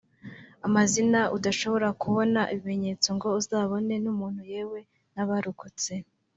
amazina udashobora kubona ibimenyetso ngo uzabone n’umuntu yewe n’abarokotse